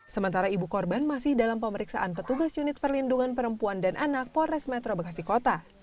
sementara ibu korban masih dalam pemeriksaan petugas unit perlindungan perempuan dan anak polres metro bekasi kota